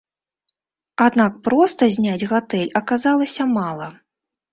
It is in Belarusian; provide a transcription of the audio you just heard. Аднак проста зняць гатэль аказалася мала.